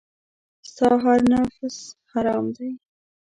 ستا هر نفس حرام دی .